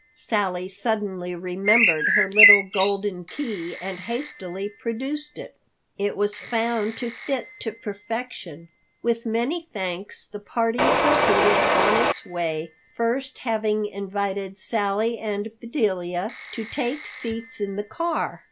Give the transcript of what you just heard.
Sally suddenly remembered her little golden key and hastily produced it. It was found to fit to perfection. With many thanks the party proceeded on its way, first having invited Sally and Bedelia to take seats in the car.